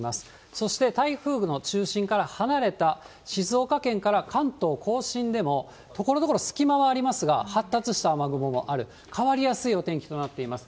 そして台風の中心から離れた静岡県から関東甲信でも、ところどころ、隙間はありますが、発達した雨雲のある変わりやすいお天気となっています。